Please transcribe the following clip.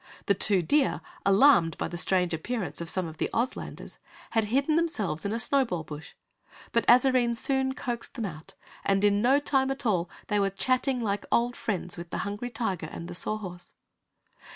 The two deer, alarmed by the strange appearance of some of the Ozlanders, had hidden themselves in a snow ball bush. But Azarine soon coaxed them out and in no time at all, they were chatting like old friends with the Hungry Tiger and the Saw Horse.